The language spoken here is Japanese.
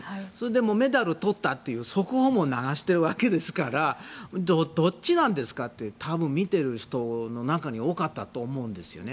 メダル取ったっていうのも流してるわけですからどっちなんですかって多分、見てる人の中には多かったと思うんですよね。